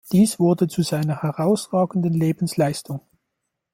Dies wurde zu seiner herausragenden Lebensleistung.